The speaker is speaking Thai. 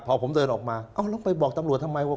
พอผมเดินออกมาเอ้าแล้วไปบอกตำรวจทำไมว่า